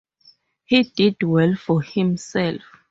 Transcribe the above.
He did well for himself.